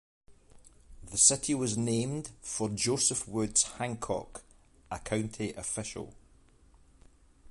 The city was named for Joseph Woods Hancock, a county official.